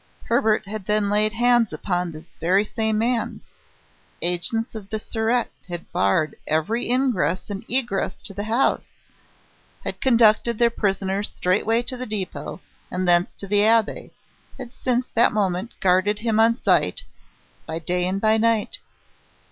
Hebert had then laid hands upon this very same man; agents of the Surete had barred every ingress and egress to the house, had conducted their prisoner straightway to the depot and thence to the Abbaye, had since that moment guarded him on sight, by day and by night.